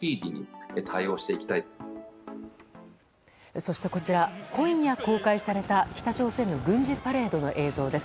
そしてこちら、今夜公開された北朝鮮の軍事パレードの映像です。